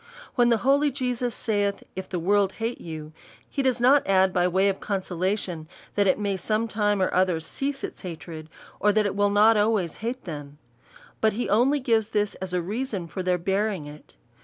When the holy Jesus saith. If the world hate you, (he does not add by way of consolation, that it may some time or other cease its hatred, or that it will not always hate them ; but he only gives this as a reason for their bearing it).